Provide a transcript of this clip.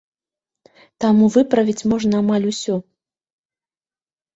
Таму выправіць можна амаль усё.